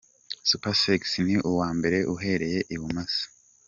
Super Sexy ni uwa mbere uhereye ibumoso.